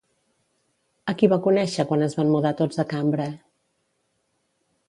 A qui va conèixer quan es van mudar tots a Cambre?